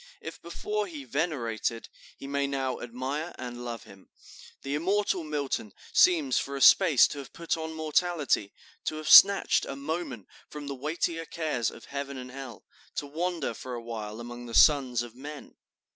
If before he venerated, he may now admire and love him. The immortal Milton seems for a space to have put on mortality, to have snatched a moment from the weightier cares of Heaven and Hell, to wander for a while among the sons of men....